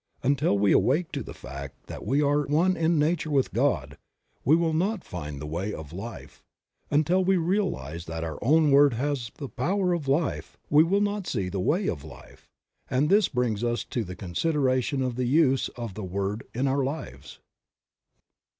Until we awake to the fact that we are one in nature with God, we will not find the way of life; until we realize that our own word has the power of life we will not see the way of life; and this brings us to the consideration of the use of the Word in our lives.